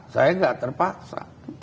saya nggak terpaksa